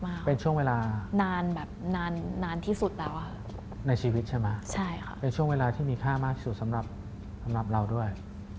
มันเป็นช่วงเวลานานที่สุดแล้วเป็นช่วงเวลาที่มีค่ามากสุดสำหรับเราด้วย